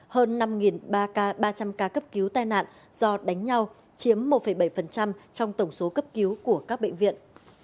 hơn năm ba ca ba trăm linh ca cấp cứu tai nạn do đánh nhau chiếm một bảy trong tổng số cấp cứu của các bệnh viện